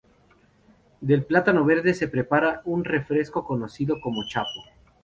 Del plátano verde se prepara un refresco conocido como chapo.